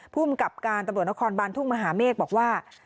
ภูมิกับการตำรวจนครบานทุ่งมหาเมฆบอกว่า